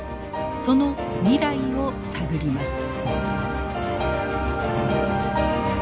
その未来を探ります。